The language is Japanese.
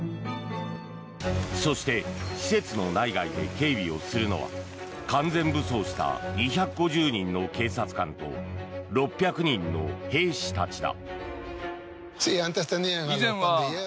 そして施設の内外で警備をするのは完全武装した２５０人の警察官と６００人の兵士たちだ。